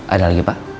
ada lagi pak